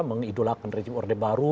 mengidolakan rejim orde baru